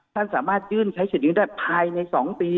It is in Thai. ท่านสามารถยื่นใช้สิทธิได้ภายใน๒ปี